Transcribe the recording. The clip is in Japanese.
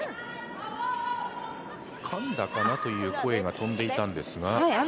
かんだかなという声が飛んでいたんですが。